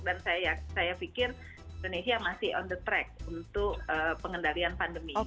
dan saya pikir indonesia masih on the track untuk pengendalian pandemi